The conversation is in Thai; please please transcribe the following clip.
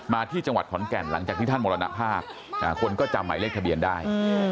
ที่จังหวัดขอนแก่นหลังจากที่ท่านมรณภาพคนก็จำหมายเลขทะเบียนได้